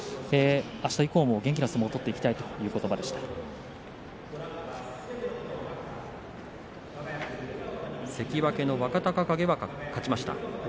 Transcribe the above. あした以降も元気な相撲を取って関脇の若隆景が勝ちました。